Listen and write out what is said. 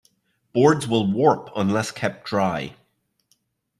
Boards will warp unless kept dry.